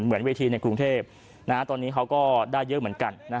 เหมือนเวทีในกรุงเทพตอนนี้เขาก็ได้เยอะเหมือนกัน